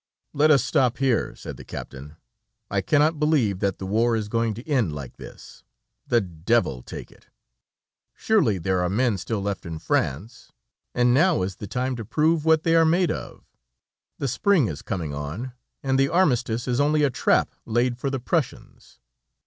"Let us stop here," said the captain. "I cannot believe that the war is going to end like this. The devil take it. Surely there are men still left in France, and now is the time to prove what they are made of. The spring is coming on, and the armistice is only a trap laid for the Prussians.